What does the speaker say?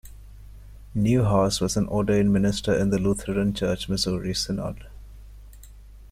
Neuhaus was an ordained minister in the Lutheran Church-Missouri Synod.